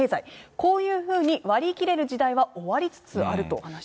こういうふうに割り切れる時代は終わりつつあると話してます。